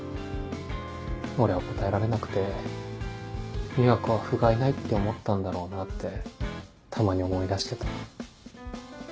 俺は答えられなくて美和子はふがいないって思ったんだろうなってたまに思い出してた。